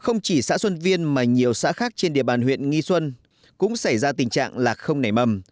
không chỉ xã xuân viên mà nhiều xã khác trên địa bàn huyện nghi xuân cũng xảy ra tình trạng lạc không nảy mầm